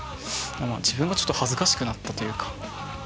自分がちょっと恥ずかしくなったというか。